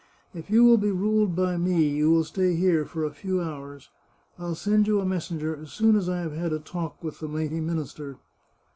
If you will be ruled by me you will stay here for a few hours. I'll send you a messenger as soon as I have had a talk with the mighty minister."